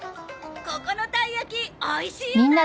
ここのたいやきおいしいよな！